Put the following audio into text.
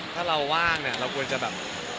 ถ้าเราว่างเนี่ยเราควรจะแบบ